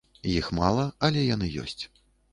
Іх мала, але яны ёсць.